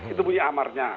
itu bunyi amarnya